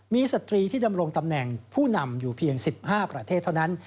มีสตรีที่ดำรงตำแหน่งผู้นำอยู่เพียง๑๕ประเทศเท่านั้น